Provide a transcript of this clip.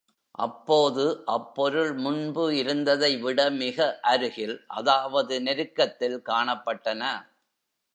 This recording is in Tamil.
அப்போது அப்பொருள் முன்பு இருந்ததைவிட மிக அருகில் அதாவது நெருக்கத்தில் காணப்பட்டன!